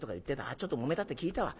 あっちょっともめたって聞いたわ」。